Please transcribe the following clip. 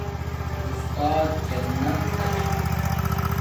اُستات جنت تاچھا